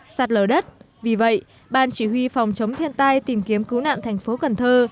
mưa đất vì vậy ban chỉ huy phòng chống thiên tai tìm kiếm cứu nạn thành phố cần thơ